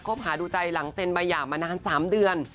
บหาดูใจหลังเซ็นใบหย่ามานาน๓เดือน